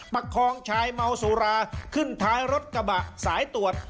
ประคองชายเมาสุราขึ้นท้ายรถกระบะสายตรวจ